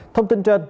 thông tin trên